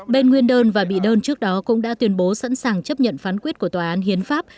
bên nguyên đơn và bị đơn trước đó cũng đã tuyên bố sẵn sàng chấp nhận phán quyết của tòa án hiến pháp